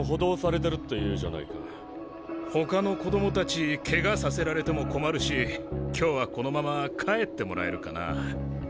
ほかの子供たちケガさせられても困るし今日はこのまま帰ってもらえるかな？